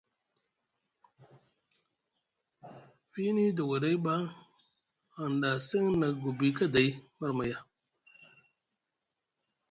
Fiini dogoɗay ɓa hanɗa a seŋ na gobi kaday marmaya.